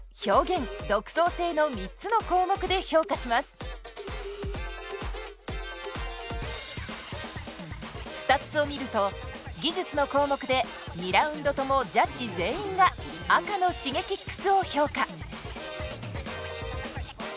決勝トーナメントではスタッツを見ると技術の項目で２ラウンドともジャッジ全員が赤のＳｈｉｇｅｋｉｘを評価。